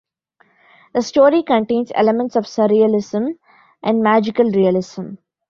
The story contains elements of surrealism and magical realism.